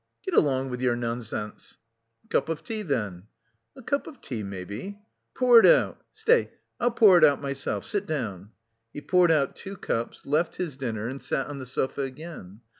"Get along with your nonsense!" "A cup of tea, then?" "A cup of tea, maybe." "Pour it out. Stay, I'll pour it out myself. Sit down." He poured out two cups, left his dinner, and sat on the sofa again.